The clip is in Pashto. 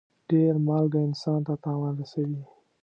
ډېر مالګه انسان ته تاوان رسوي.